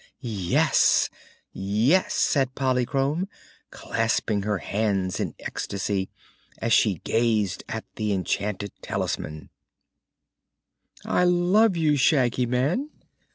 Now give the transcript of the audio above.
"Yes, yes!" said Polychrome, clasping her hands in ecstasy as she gazed at the enchanted talisman; "I love you, Shaggy Man!"